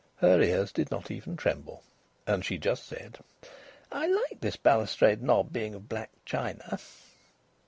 Her ears did not even tremble. And she just said: "I like this balustrade knob being of black china."